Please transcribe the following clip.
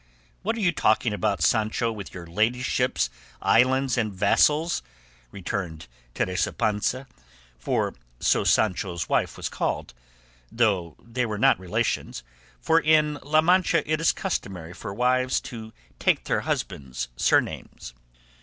"What are you talking about, Sancho, with your ladyships, islands, and vassals?" returned Teresa Panza for so Sancho's wife was called, though they were not relations, for in La Mancha it is customary for wives to take their husbands' surnames.